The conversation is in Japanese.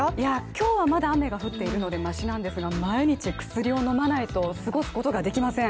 今日はまだ雨が降っているのでましなんですが、毎日、薬を飲まないと過ごすことができません。